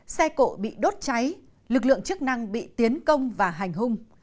xe cộ bị đốt cháy lực lượng chức năng bị tiến công và hành hung